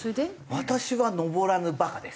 私は登らぬバカです。